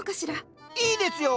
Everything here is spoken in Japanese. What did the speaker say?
いいですよ！